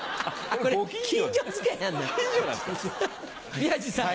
宮治さん。